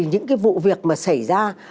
những cái vụ việc mà xảy ra